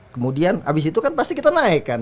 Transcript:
kemudian abis itu kan pasti kita naik kan